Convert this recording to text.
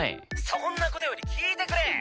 「そんな事より聞いてくれ」